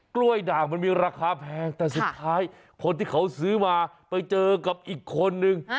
กล้วยด่างมันมีราคาแพงแต่สุดท้ายคนที่เขาซื้อมาไปเจอกับอีกคนนึง